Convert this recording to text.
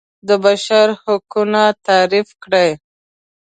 د بشر حقونه تعریف کړي.